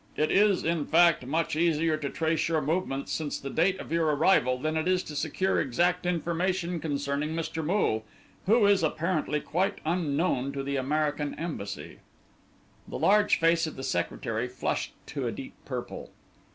It is, in fact, much easier to trace your movements since the date of your arrival than it is to secure exact information concerning Mr. Moole, who is apparently quite unknown to the American Embassy." The large face of the secretary flushed to a deep purple.